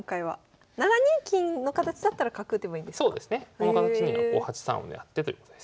この形には８三を狙ってということです。